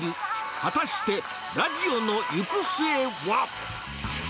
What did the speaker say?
果たして、ラジオの行く末は。